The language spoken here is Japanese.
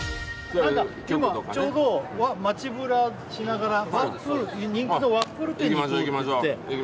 今ちょうど街ブラしながら人気のワッフル店に行こうって。